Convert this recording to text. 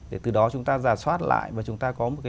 để từ đó chúng ta giả soát lại và chúng ta có một cái